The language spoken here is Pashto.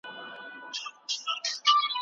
د سياست پوهني بنسټيزه منځپانګه په ښه ډول درک کړئ.